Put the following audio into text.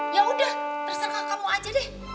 yaudah terserah kamu aja deh